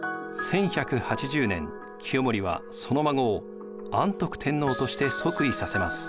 １１８０年清盛はその孫を安徳天皇として即位させます。